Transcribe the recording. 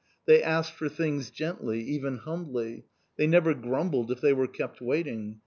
They asked for things gently, even humbly. They never grumbled if they were kept waiting.